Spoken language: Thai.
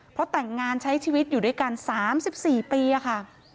เพราะแต่งงานใช้ชีวิตอยู่ด้วยกัน๓๔ปีค่ะ